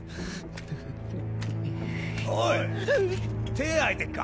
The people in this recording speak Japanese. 手空いてっか？